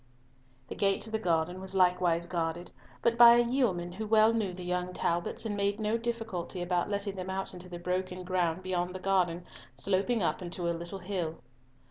The gate of the garden was likewise guarded, but by a yeoman who well knew the young Talbots, and made no difficulty about letting them out into the broken ground beyond the garden, sloping up into a little hill.